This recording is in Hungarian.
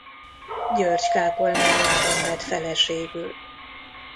György-kápolnájában vett feleségül.